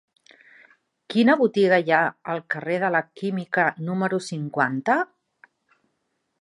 Quina botiga hi ha al carrer de la Química número cinquanta?